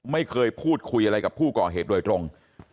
ไม่เคยพูดคุยอะไรกับผู้ก่อเหตุโดยตรง